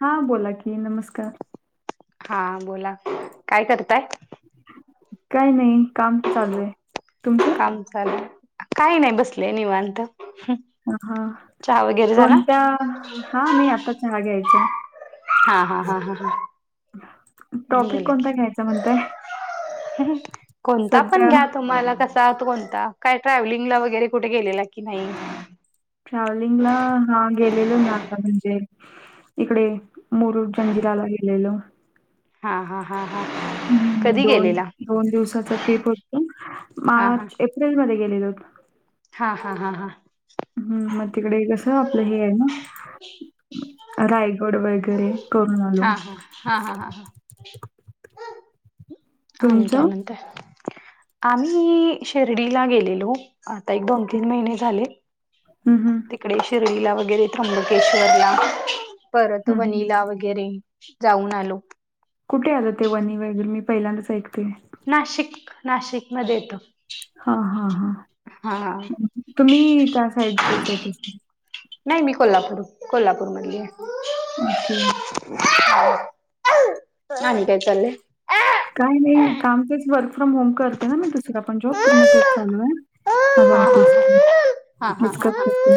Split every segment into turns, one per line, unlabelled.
हा बोला की नमस्कार
हा बोला काय करताय
काय नाही काम चालू आहे. तुमचं?
काम चालुहाय काय नाही बसले निवांत
ह हा
चहा वगैरे झाला
कोणत्या हा नाही आता चहा घ्यायचा
हा हा हा हा हा
टॉपिक
बोला की
कोणता घ्यायचा म्हणताय
कोणता पण
सध्या
घ्या तुम्हाला कस जात कोणता काय ट्रॅव्हलिंग ला वगैरे कुठे गेलेला की नाही
ट्रॅव्हलिंगला हा गेलेल ना आता म्हणजे इकडे मुरुड जंजिराला गेलेलो
हा हा हा हा कधी
दोन
गेलेला
दिवसा ट्रीप हो
हा हा
मार्च एप्रिल मध्ये गेलोलत
हा हा हा हां
हम् मग तिकडे कसं आपलं हे आहे ना
ह
रायगड वगैरे करून आलो
हा हा हा हा हा हा आणि काय
तुमचं?
म्हणतय आम्ही शिर्डीला गेलेलो आता एक दोन तीन महिने झाले
हम हं
इकडे शिरोलीला वगैरे त्र्यंबकेश्वरला परत
हम्म.
वनिला वगैरे जाऊन आलो
कुठे आलं ते वनी वगैरे मी पहिल्यांदच ऐकते
नाशिक नाशिक मध्ये येत
हा हा हा
हा
तुम्ही त्या साईडचेच आहेत
नाही मी कोल्हापूर कोल्हापूर मधली आहे
ओके
हनी काय ले
काही नाही काम तेच वर्क फ्रॉम होम करते ना मी दुसरा पण जॉब तर मग तेच चालू आहे माझ ऑफिस
हा हा हा
कप
हा
करते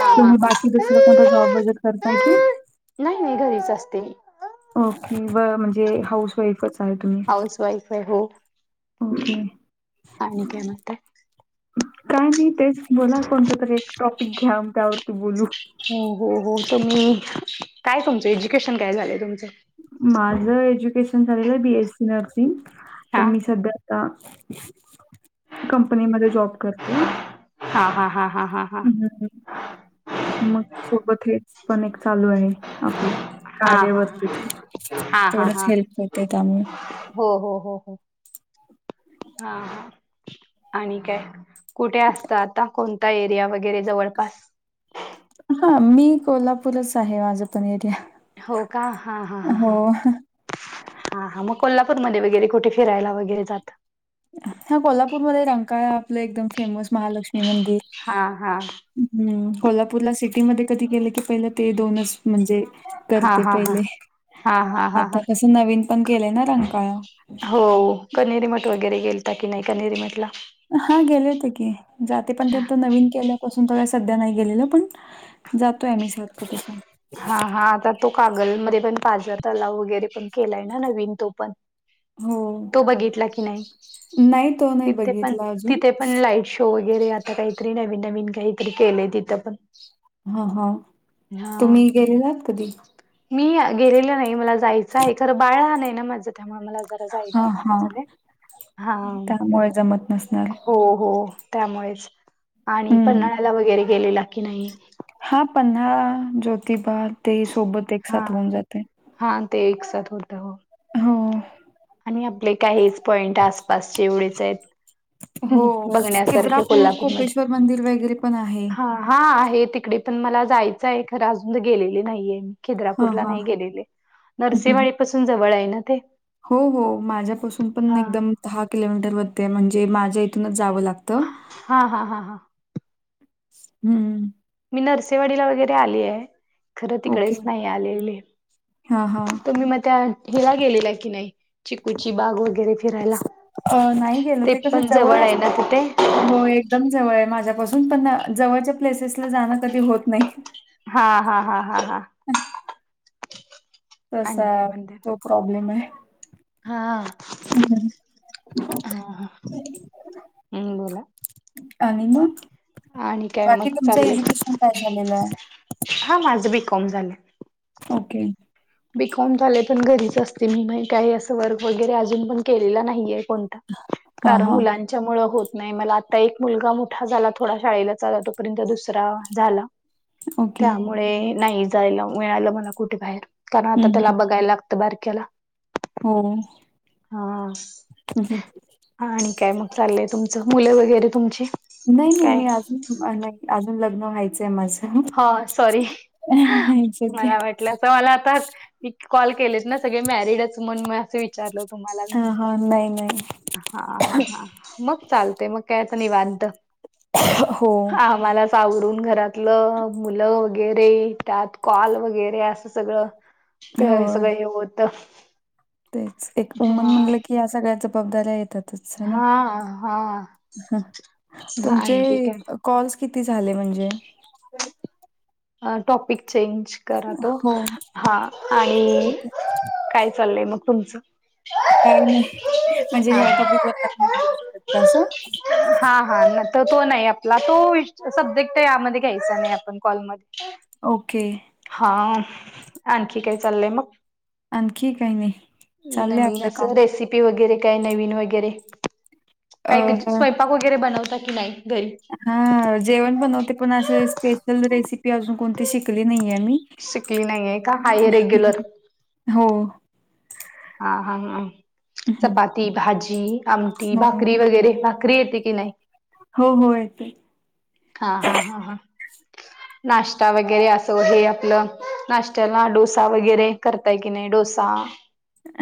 हा हा
तुम्ही
हा
बाकी दुसला कोणता जॉब वजर करताय की
नाही घरीच असते
ओके व म्हणजे हाऊस वाईफच आहे तुम्ही
हाउस वाईफ आहे हो
ओके
आणि काय म्हणताय
काय नाही तेच बोला. कोणता तरी एक टॉपिक घ्या. मग त्यावरती बोलू.
हो.. हो.. हो.. तुम्ही काय तुमचं एज्युकेशन काय झाले तुमचं?
माझ एज्युकेशन झालेलं आहे. बीएससी नर्सिंग
हा
पण मी संध्या. आता कंपनीमध्ये जॉब करते.
हा.. हा.. हा.. हा.. हा..
हम्. मग सोबत हेच, पण एक चालू आहे. आपलं
हा
कार्यवरती
हा हा हा
तेवढंच
हा
हेल्प करते. त्यामुळं
हो हो हो हो. हां.. आणि काय कुठे असता, आता कोणता एरिया वगैरे जवळ.
हा.. मी कोल्हापूरच आहे माझं पण एरिया.
हो कां, हा हा हा
हो.
हा.. हा. हा.. मग कोल्हापूरमध्ये वगैरे कुठे फिरायला वगैरे जात.
हा कोल्हापूरमध्ये रंकाळा आपलं, एकदम फेमस महालक्ष्मी मंदिर.
हा हा
हम्म. कोल्हापूरला सिटीमध्ये कधी गेलं की, पहिले ते दोनच म्हणजे,
हा
करते
हा हा
पहिले.
हा हा हा
आता
हा
कसं नवीन पण केलंय ना रंकाळा.
हो, कणेरीमठ वगैरे गेलता की नाही. कणेरीमठला.
हा गेले होते की, जाते पण त्या नवीन केल्यापासून त काही सध्या नाही गेलेलं पण. जातोय आम्ही सारखं तस.
हा. हा. आता तो कागलमध्ये पण पाजर तलाव वगैरे, पण केलाय ना नवीन तो पण.
हो
तो बघितला कणी,
नाही तो नाही
तिथे पण
बघितला अजून
तिथे पण लाईट शो. शो वगैरे आता काहीतरी नवीन नवीन काहीतरी केलंय तिथं पण,
हा हा.
हा
तुम्ही गेलेलात कधी?
मी गेलेलं नाही मला जायचं आहे, खरं बाळ लहान नाही ना माझं. त्यामुळें मला जरा जायला
हा
होईना
हा
झाले. हा..
त्यामुळे जमत नसणार
हो हो.. त्यामुळेचं आणि
हम्म
पन्हाळ्याला वेगैरे गेलेला की नाही.
हा.. पन्हाळा ज्योतिबा ते सोबत एक
हा
साथ होऊन जाते.
हा, ते एकसाथ होतं हो.
हो.
आणि आपले काय हेच पॉइंट आसपासचे एवढेच आहेत.
हो,
बघण्यासारखे
खिद्रापूर
कोल्हापूरमध्ये
कोपेश्वर मंदिर वगैरे पण आहे.
हा हा आहे तिकडे पण मला जायचं आहे, खरं अजून तर गेलेले नाहीये मी.
हा
खिद्रापूरला
हा
नाही गेलेले. नरसिंहवाडी पासून जवळ आहे ना ते.
हो हो. माझ्यापासून पण
हां
एकदम. दहा किलोमीटर वरती म्हणजे, माझ्या इथूनच जावं लागतं.
हा हा हा हा.
हम्म.
मी नरसेवाडीला वगैरे आली ये. खरं
ओके
तिकडेच नाही आलेले,
हा हा
तुम्ही मग त्या हिला गेलेला की नाही. चिकूची बाग वगैरे फिरायला,
अ नाही गेलो
ते पण जवळ आहे ना तिथे.
होय. एकदम जवळ आहे माझ्यापासून पण, जवळच्या प्लेसेसला जाणं कधी होत नाही.
हा हा हा हा हा.
तसा
आणि काय म्हणताय?
तो प्रॉब्लेम ये.
हा.
[unintelligible]
हा हां.
[inaudible]
हम्म बोला.
आणि मग,
आणि काय
बाकी
मग
तुमचं
चाललंय?
एज्युकेशन काय झालेलं.
हा माझं बी कॉम झालं.
ओके.
बीकॉम झाले पण घरीच असते मी. काही असं वर्क वगैरे अजून पण केलेलं नाहीये. कोण
हा
कारण
हा
मुलांन त्याच्यामुळे होत नाही मला. आता एक मुलगा मोठा झाला. थोडा शाळेला चा. तोपर्यंत दुसरा झाला.
ओके
त्यामुळे नाही जायला मिळालं मला कुठे बाहेर. कारण आता
हम्म
त्याला
हम्म
बघायला लाग त. बारक्याला.
हो.
हा.
हम् हम् [unintelligible]
हा, आणि काय मग चाललंय तुमचं. मुलं वगैरे तुमची.
नाही नाही.
काय
मी अजून, नाही अजून लग्न व्हायचंय माझं.
ह, सॉरी.
इट्स ओके
मला वाट मला आता. कॉल केलेच ना सगळे मॅरिडच. म्हणून म असं विचारलं. तुम्हाला
ह ह. नाही. नाही
हा हा हा. मग चालते. मग काय आता निवांत.
हो
हा. मला सावरून घरातल ल. मुलं वगैरे. त्यात कॉल वगैरे. असं सगळं. अ
होय
सगं हे होत.
तेच. एक उमन म्हणलं की, या सळ्या जबाबदाऱ्या येतात. चला.
हा हा
ह.
हा,
तुमचे
आणखी
कॉल्स किती झाले म्हणजे?
अ टॉपिक चेंज. करा तो.
हो
हा आणि
ओके
काय चाललंय मग तुमचं.
काही नाही. म्हणजे
हा
ह्या
हा
टॉपिक व आपण नाही बोलू शकत का असं?
हा हा. त तो नाही आपला. तो सब्जेक्ट यामध्ये घ्यायचा नाही आपण. कॉलमध्ये. हम् [unintelligible]
ओके.
हा आणखी काही चाललंय मग.
आणखी काही नाही.
नाय
चाललंय
मी नाय
आपलं काम.
असं रेसिप पी वगैरे काय नवीन वगैरे,
अ,
काही स्वयंपाक वगैरे बनवता की नाही घरी.
ह, जेवण बनवते पण, असे स्पेशल रेसिपी अजून कोणती शिकली नाहीये मी.
शिकली नाहीये का? हाय रेग्युलर
हो.
हा हा ह.
हम्म.
चपाती, भाजी, आमटी
हो,
भाकरी वगैरे भाकरी येते की नाही?
हो हो येते.
हा, हा, हा, हा. नाश्ता वगैरे असं हे आपलं. नाश्त्याला डोसा वगैरे करताय की नाही. डोसा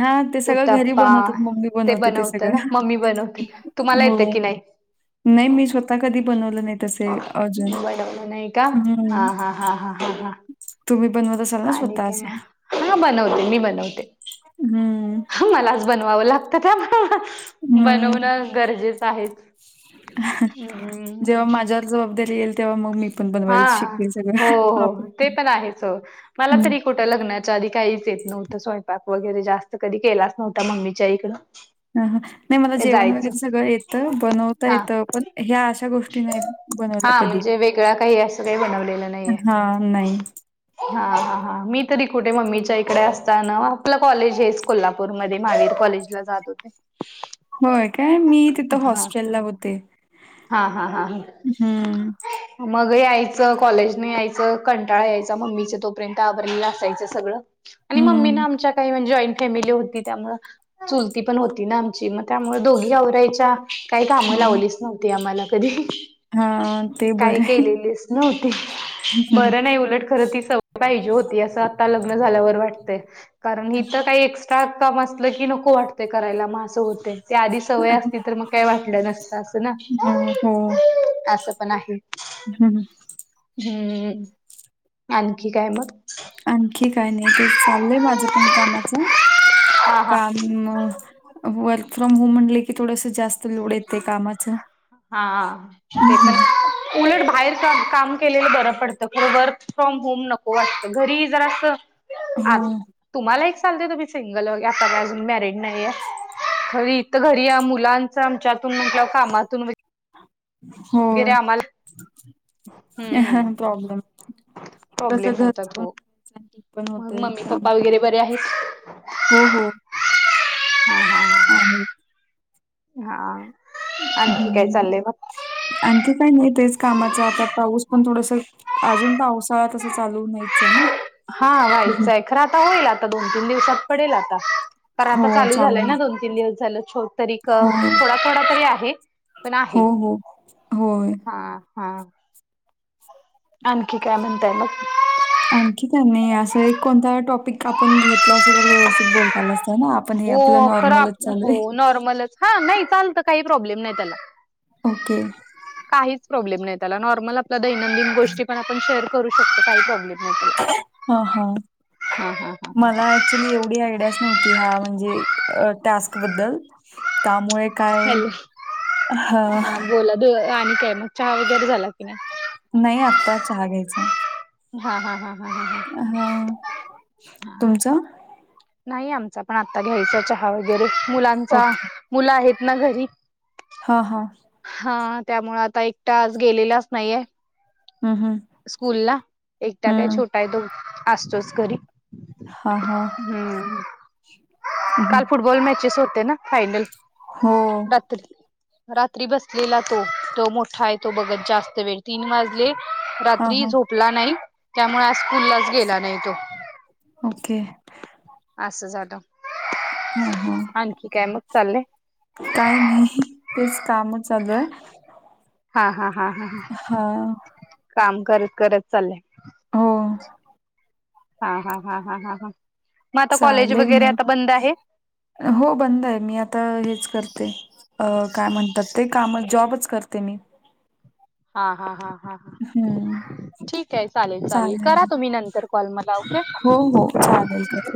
ह ते सगळं घरी
उत्तप्पा
बनवते. मम्मी बनवते ते
बनवत ना
सगळं.
मम्मी बनवते तुम्हाला येतं
हो.
की नाही?
नाही मी स्वतः कधी बनवलं नाही तसे अजून.
बनवलं नाही का
हम्म.
हा हा हा हा हा हा
तुम्ही बनवत अ
आणि काय, हा बनवते. मी बनवते.
हम्म.
मलाच बनवावं लागतं. त्यामुळे
हं.
बनवणं गरजेचं आहे.
जेव्हा माझ्यावर जबाबदारी येईल. तेव्हा मग मी पण
हा.
बनवायला शिकेल सगळं.
हो.
आपण
हो. ते
पण.
तर आहेच हो. मला
हं.
तरी कुठं लग्नाच्या आधी काहीच येत नव्हतं. स्वयंपाक वगैरे जास्त कधी केलाच नव्हता. मम्मीच्या इकडं.
ह हा नाही मला जेवण
जायचं.
वगैरे सगळं येतं. बनवता
हां.
येतं. पण ह्या अशा गोष्टी नाही बनवल्या
हां
कधी.
म्हणजे वेगळा काही असं काही
हा नाही.
हा हा हां मी तरी कुठे मम्मीच्या इकडे असताना आपलं कॉलेज हेच कोल्हापूरमध्ये महावीर कॉलेज जात होते.
होय काय मी तिथं हॉस्टेल ला होते.
हा हा हा
हं,
मग यायचं कॉलेजने यायचं कंटाळा यायचा मम्मीच तोपर्यंत आवरला असायचं सगळं आणि मम्मी ना
हं.
आमच्या काही म्हणजे फॅमिली होती त्यामुळे चुलती पण होती ना आमची मग त्यामुळे दोघी आवरायच्या काही कामं
मग
लावलीच नव्हती आम्हाला कधी
हां, ते
काय
बरं आहे.
केलेलीच नव्हती बरं नाही उलट खर ती सवय पाहिजे होती असं आता लग्न झाल्यावर वाटतंय. कारण हिथं काही एक्स्ट्रा काम असलं की नको वाटते करायला मग असं होते. ते आधी सवय असतील तर मग काही वाटलं नसतं असं ना
हा हो
असं पण आहे.
हम्म
हम्म आणखी काय मग?
आणखी काय नाही ते चाललंय माझं पण कामाचं
हा हा
काम वर्क फ्रॉम होम म्हणले की थोडंसं जास्त लोड येते कामाचं
हा उलट बाहेर का काम केलेलं बरं पडतं वर्क फ्रॉम होम नको वाटतं घरी जरा असं
हो,
आज तुम्हाला एक चालते त मी सिंगल वे आता अजून मॅरिड नाहीय खरी घरी मुलांच आमच्यातून म्हंटलं कामातून वगैरे
होय
आम्हाला
हा
हम्म
प्रॉब्लेम कस
प्रॉब्लेम
घरच
होतात
पण
हो
करायचं. पण होतंय
मम्मी
त्यामुळे
पप्पा वगैरे बरे आहेत?
हो हो
हा
अ
हा हा आणखी काय
हं.
चाललंय मग?
आणखी काही नाही तेच कामाच आता पाऊस पण थोडंसं अजून पावसाळा तसं चालू नाहीच आहे ना
हा
हं.
व्हायचं आहे खरं आता होईल आता दोन तीन दिवसात पडेल आता कारण आता
हो,
चालू झालंय
हो,
ना दोन दोन तीन दिवस झालं छोट तरी इथं थोडा थोडा तरी आहे पण आहे
हो, हो. होय.
हा हा आणखी काय म्हनंतनाय?
आणखी त्यांनी असं एक कोणता टॉपिक आपण घेतलं असं जरा व्यवस्थित बोलता आल असतं. ना. आपण हे
हो
आपलं
खराब
नॉर्मलच चालू
हो
आहे.
नॉर्मलच हा नाही चालतय काही प्रॉब्लेम नाही त्याला
ओके
काहीच प्रॉब्लेम नाही त्याला नॉर्मल आपल्या दैनंदिन गोष्टी पण आपण शेअर करू शकतो काही प्रॉब्लेम नाही त्याला.
हा हा
हा हा हा हा
मला एक अक्च्युली एवढी आयडियाच नव्हती हा म्हणजे टास्क बद्दल त्यामुळे काय
हॅलो
हा
आणि काय मग चहा वगैरे झाला की नाही?
नाही आत्ता चहा घ्यायचा
हा हा हा हा हा
हा तुमचा?
नाही आमचा पण आता घ्यायचा चहा वगैरे मुलांचा
ओके.
मुलं आहेत ना घरी
हा हा
हा त्यामुळे आता एकटा आज गेलेलाच नाहीये.
हं, हं.
स्कूल ला एकटा काय
हं.
छोटा आहे दो असतोच घरी.
हां, हां.
हम्म
हं, हं.
काल फुटबॉल मॅचेस होते ना फानल
हो.
रत र बसलेला तो तो मोठा आहे तो बघत जास्त वेळ तीन वाजले
हां,
रात्री
हां.
झ ला नाही त्यामुळे आज स्कूललाच गेला नाही तो
ओके
असं झाात
ह ह
मग चाललंय
काय नाही तेच काम चालू आहे
हा हा हा ह
हां.
काम करत करत चाललं
हो
हा हा हा ह ह ह मग आता कॉलेज
चालेल
वगैरे
मग.
आता बंद आहे
हो बंद आहे मी आता हेच करते अ काय म्हणतात ते कामच जॉबच करते मी [unintelligible] [unintelligible]
हा हा हा हा
हं.
[unintelligible] ठीक आहे चालेल चालेल करा तुम्ही नंतर कॉल मला ओक
चादल करत